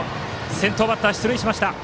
先頭バッター、出塁しました。